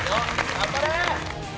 頑張れ！